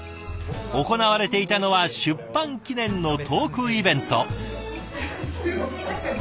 行われていたのは出版記念のトークイベント。